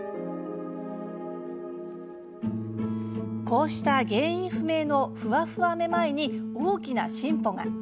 こうした原因不明のフワフワめまいに大きな進歩が。